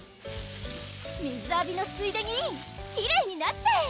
水あびのついでにきれいになっちゃえ！